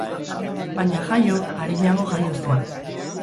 Baina jaio arinago jaio zen.